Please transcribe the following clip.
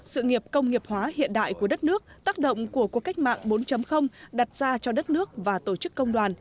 sự nghiệp công nghiệp hóa hiện đại của đất nước tác động của cuộc cách mạng bốn đặt ra cho đất nước và tổ chức công đoàn